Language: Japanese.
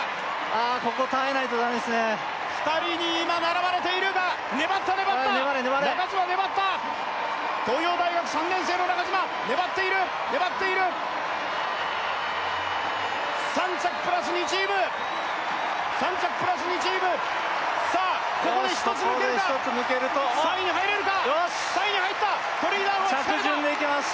あここ耐えないとダメですね２人に今並ばれているが粘った粘った中島粘った粘れ粘れ東洋大学３年生の中島粘っている粘っている３着プラス２チーム３着プラス２チームさあここで１つ抜けるか３位に入れるか３位に入ったトリニダードが仕掛けた着順でいけます